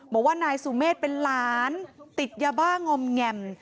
บอกว่านายสุเมฆเป็นหลานติดยาบ้างอมแง่ม